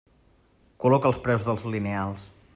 Col·loca els preus dels lineals.